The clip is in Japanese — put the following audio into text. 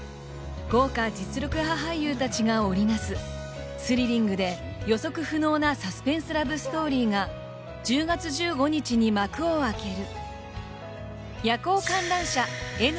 豪華実力派俳優達が織り成すスリリングで予測不能なサスペンスラブストーリーが１０月１５日に幕を開ける！